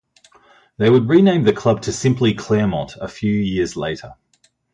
They would rename the club to simply Claremont a few years later.